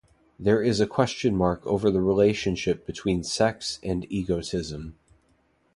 There is a question mark over the relationship between sex and egotism.